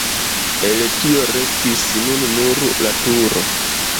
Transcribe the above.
El tio restis nun nur la turo.